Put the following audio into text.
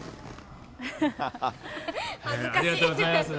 ありがとうございます。